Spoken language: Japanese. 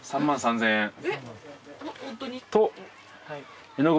３万３，０００円。